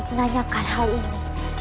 menanyakan hal ini